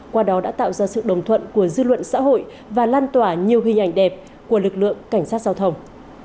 qua đó đã tạo ra sự đồng thuận của dư luận xã hội và lan tỏa nhiều hình ảnh đẹp của lực lượng cảnh sát giao thông